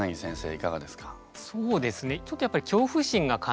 いかがですか？